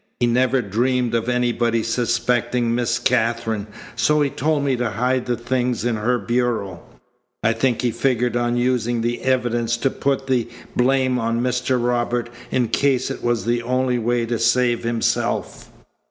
He never dreamed of anybody's suspecting Miss Katherine, so he told me to hide the things in her bureau. I think he figured on using the evidence to put the blame on Mr. Robert in case it was the only way to save himself."